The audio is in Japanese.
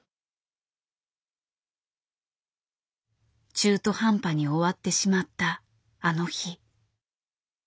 中途半端に終わってしまったあの日。